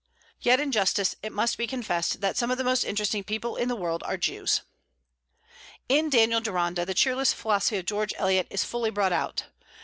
Yet in justice it must be confessed, that some of the most interesting people in the world are Jews. In "Daniel Deronda" the cheerless philosophy of George Eliot is fully brought out.